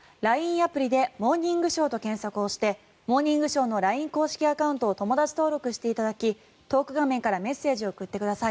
アプリで「モーニングショー」と検索をして「モーニングショー」のＬＩＮＥ公式アカウントを友だち登録していただきトーク画面からメッセージを送ってください。